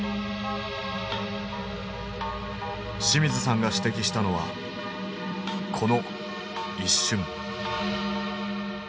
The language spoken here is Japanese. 清水さんが指摘したのはこの一瞬。